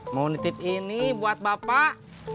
mohon nitip ini buat bapak